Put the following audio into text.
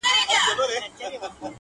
که یې مږور وه که یې زوی که یې لمسیان وه،